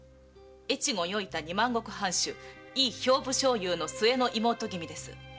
越後与板二万石藩主井伊兵部少輔の末の妹君です。